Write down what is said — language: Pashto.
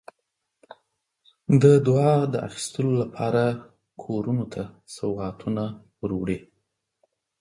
د دعا د اخیستلو لپاره کورونو ته سوغاتونه وروړي.